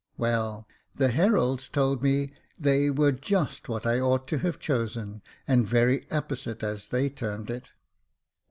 " Well, the heralds told me they were just what I ought to have chosen, and very apposite, as they termed it."